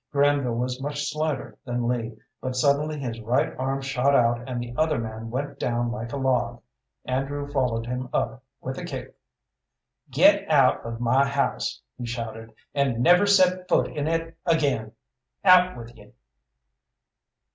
Granville was much slighter than Lee, but suddenly his right arm shot out, and the other man went down like a log. Andrew followed him up with a kick. "Get out of my house," he shouted, "and never set foot in it again! Out with ye!"